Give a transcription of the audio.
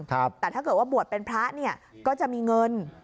แต่ถ้าเกิดว่าบ่วนเป็นพระก็จะมีเงิน